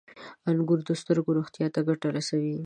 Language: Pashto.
• انګور د سترګو روغتیا ته ګټه رسوي.